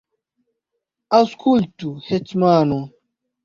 Aŭskultu, hetmano!